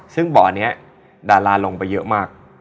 ซึ่งบ่อนี้ดาราลงไปเยอะมาก